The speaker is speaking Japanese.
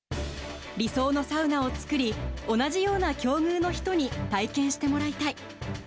理想のサウナを作り、同じような境遇の人に体験してもらいたい。